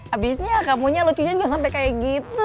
abisnya kamu nya lucunya gak sampai kayak gitu